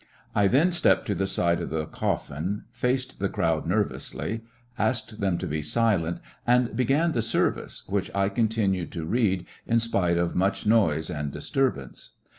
I then stepped to the side of the coffin, faced the crowd nervously, asked them to be silent, and began the service, which I continued to read in spite of much noise and disturbance.